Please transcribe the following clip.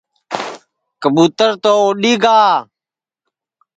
کٻُُوتر تو اُڈؔی گا